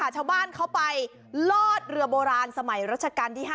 ชาวบ้านเขาไปลอดเรือโบราณสมัยรัชกาลที่๕